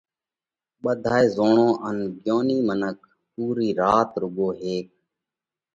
ٻڌائي زوڻُو ان ڳيونِي منک پُورِي رات رُوڳا هيڪا